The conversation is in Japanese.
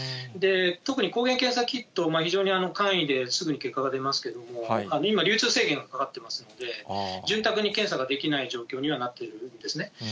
特に抗原検査キット、非常に簡易ですぐに結果が出ますけれども、今、流通制限がかかってますので、潤沢に検査ができない状況にはなってるんですね。